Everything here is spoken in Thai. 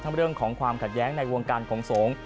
ทั้งเรื่องของความขัดแย้งในวงการกงสง